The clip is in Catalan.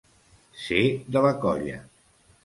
Ser de la colla.